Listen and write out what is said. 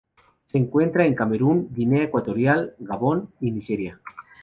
Se encuentra en Camerún, Guinea Ecuatorial, Gabón y Nigeria.